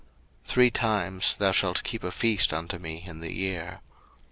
02:023:014 Three times thou shalt keep a feast unto me in the year.